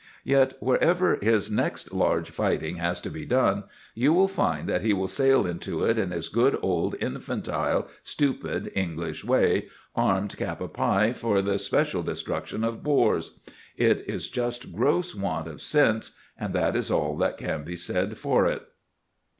Yet, wherever his next large fighting has to be done, you will find that he will sail into it in his good old infantile, stupid English way, armed cap a pie for the special destruction of Boers. It is just gross want of sense, and that is all that can be said for it.